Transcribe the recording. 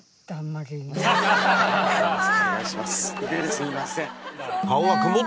すいません。